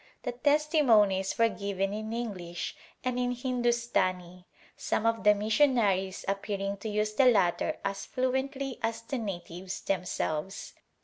The testimonies were given in English and in Hindustani, some of the missionaries appearing to use the latter as fluently as the natives themselves.